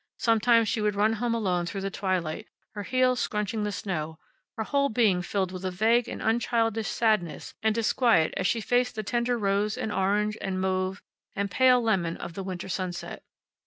Sometimes she would run home alone through the twilight, her heels scrunching the snow, her whole being filled with a vague and unchildish sadness and disquiet as she faced the tender rose, and orange, and mauve, and pale lemon of the winter sunset.